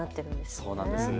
そうなんです。